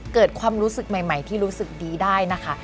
เกิดความรู้สึกใหม่ที่รู้สึกดีได้นะคะ